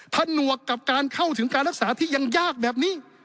ผนวกกับการเข้าถึงการรักษาที่ยังยากแบบนี้